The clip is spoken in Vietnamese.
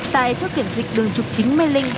tại chốt kiểm dịch đường chục chín mê linh